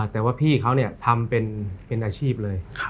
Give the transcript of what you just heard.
แต่ว่าพี่เขาทำเป็นอาชีพเลย